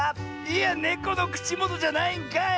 いやネコのくちもとじゃないんかい！